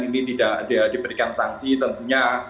ini tidak diberikan sanksi tentunya